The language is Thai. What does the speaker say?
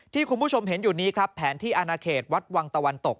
ที่คุณผู้ชมเห็นอยู่นี้ครับแผนที่อนาเขตวัดวังตะวันตก